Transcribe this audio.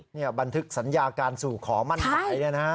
บันทึกสัญญาการสู่ขอมั่นหมายเนี่ยนะฮะ